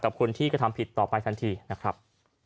คนที่กระทำผิดต่อไปทันทีนะครับ